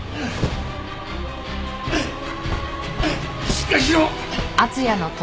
しっかりしろ！